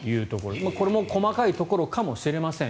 これも細かいところかもしれません。